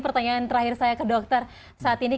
pertanyaan terakhir saya ke dokter saat ini